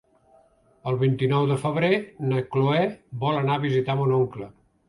El vint-i-nou de febrer na Chloé vol anar a visitar mon oncle.